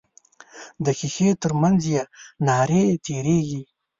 د ښیښې تر منځ یې نارې تیریږي.